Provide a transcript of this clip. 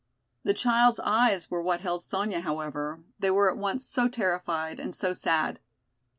The child's eyes were what held Sonya, however, they were at once so terrified and so sad.